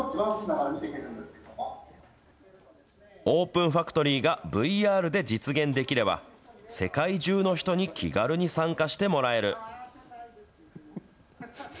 オープンファクトリーがＶＲで実現できれば、世界中の人に気軽に参加してもらえる。